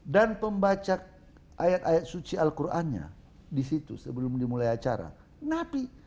dan pembaca ayat ayat suci al qurannya di situ sebelum dimulai acara napi